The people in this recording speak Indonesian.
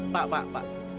pak pak pak